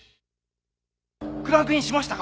クランクインしましたか！